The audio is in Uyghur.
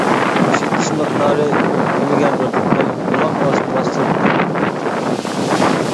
ئىشلىتىش مىقدارى: كۈنىگە بىر قېتىم قۇلاق ئاستىغا سىرتتىن چېپىلىدۇ.